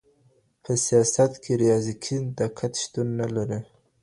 په سياست کې رياضيکي دقت شتون نلري.